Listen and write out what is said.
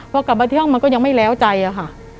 พอกลับมาที่ห้องมันก็ยังไม่แล้วใจอะค่ะ